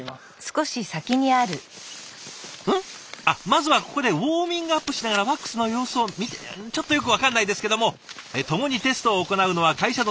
あっまずはここでウォーミングアップしながらワックスの様子を見てちょっとよく分からないですけども共にテストを行うのは会社の先輩溝越さん。